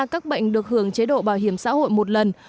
các bệnh được hưởng chế độ bảo hiểm xã hội một lần